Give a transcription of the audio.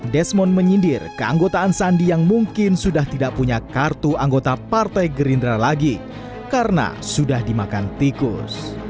desmond menyindir keanggotaan sandi yang mungkin sudah tidak punya kartu anggota partai gerindra lagi karena sudah dimakan tikus